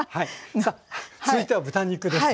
さあ続いては豚肉ですね。